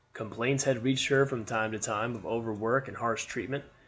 Complaints had reached her from time to time of overwork and harsh treatment.